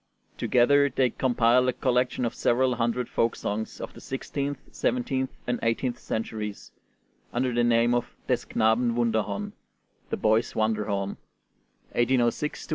Together they compiled a collection of several hundred folk songs of the sixteenth, seventeenth, and eighteenth centuries, under the name of 'Des Knaben Wunderhorn' (The Boy's Wonderhorn), 1806 1808.